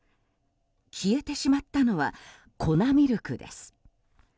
消えてしまったのは粉ミルクです。